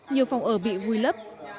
nhiều phòng ở bị vùi lấp